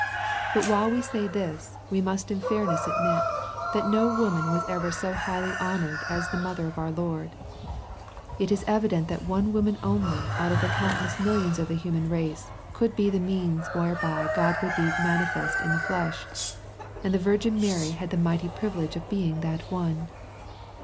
But while we say this, we must in fairness admit, that no woman was ever so highly honored as the mother of our Lord. It is evident that one woman only out of the countless millions of the human race, could be the means whereby God could be " manifest in the flesh," and the Virgin Mary had the mighty privilege of being that one.